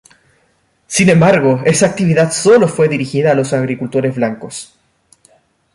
Sin embargo esa actividad solo fue dirigida a los agricultores blancos.